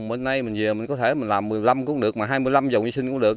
bên nay mình về mình có thể làm một mươi năm cũng được mà hai mươi năm dòng di sinh cũng được